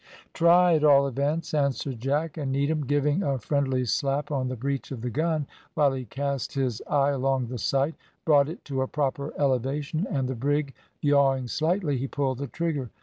"Try, at all events," answered Jack, and Needham, giving a friendly slap on the breech of the gun, while he cast his eye along the sight, brought it to a proper elevation, and the brig yawing slightly, he pulled the trigger.